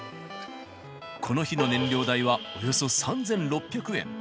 この日の燃料代は、およそ３６００円。